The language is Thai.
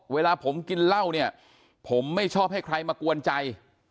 เวลาผมกินเหล้าเนี่ยผมไม่ชอบให้ใครมากวนใจ